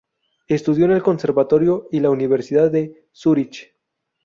Estudió en el conservatorio y la universidad de Zúrich.